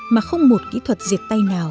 mà không một kỹ thuật diệt tay nào